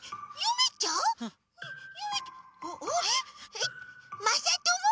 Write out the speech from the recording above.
えっまさとも？